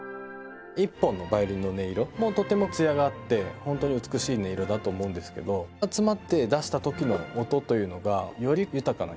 一本のヴァイオリンの音色もとてもつやがあって本当に美しい音色だと思うんですけど集まって出したときの音というのがより豊かな響き